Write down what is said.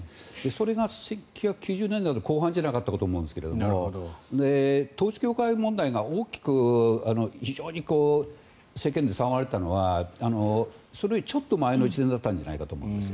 それが１９９０年代の後半だったと思いますが統一教会問題が大きく非常に世間で騒がれていたのはそれよりちょっと前の時期だったんじゃないかなと思います。